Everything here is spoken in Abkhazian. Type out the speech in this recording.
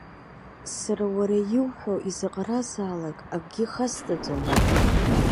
Сара уара иуҳәо изаҟаразаалак акгьы хасҵаӡом.